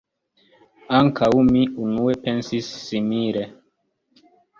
Ankaŭ mi unue pensis simile.